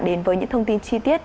đến với những thông tin chi tiết